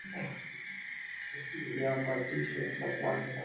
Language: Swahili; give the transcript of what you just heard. Kiambatisho cha kwanza